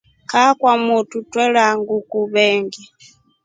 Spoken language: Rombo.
Kaa kwamotru kwetre nguku veengi.